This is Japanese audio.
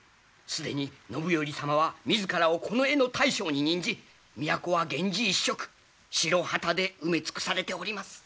既に信頼様は自らを近衛大将に任じ都は源氏一色白旗で埋め尽くされております！